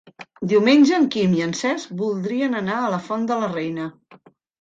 Diumenge en Quim i en Cesc voldrien anar a la Font de la Reina.